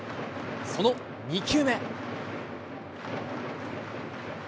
その２球目。